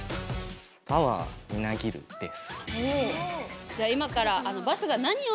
「パワーみなぎる！！」です。